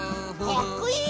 かっこいい！